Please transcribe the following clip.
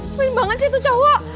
sering banget sih itu cowok